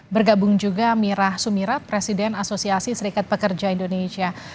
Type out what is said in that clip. bergabung juga mirah sumirat presiden asosiasi serikat pekerja indonesia